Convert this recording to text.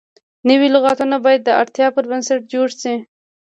نوي لغتونه باید د اړتیا پر بنسټ جوړ شي.